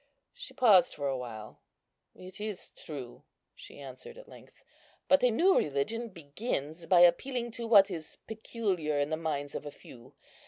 She paused for a while. "It is true," she answered at length; "but a new religion begins by appealing to what is peculiar in the minds of a few.